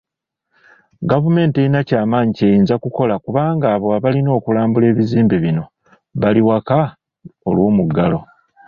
Gavumenti terina kyamaanyi kyeyinza kukola kubanga abo abalina okulambula ebizimbe bino bali waka olw'omuggalo.